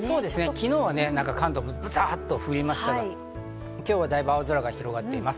昨日は関東もザァっと降りましたけど今日はだいぶ青空が広がっています。